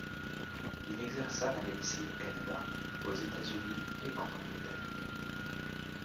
Il exerça la médecine au Canada, aux États-Unis et en Angleterre.